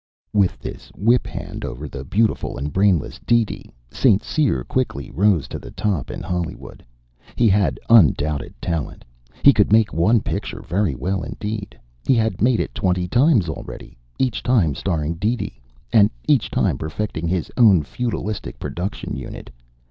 With this whip hand over the beautiful and brainless DeeDee, St. Cyr quickly rose to the top in Hollywood. He had undoubted talent. He could make one picture very well indeed. He had made it twenty times already, each time starring DeeDee, and each time perfecting his own feudalistic production unit.